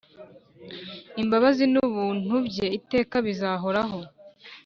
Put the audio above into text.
imbabazi nubuntu bye iteka bizahoraho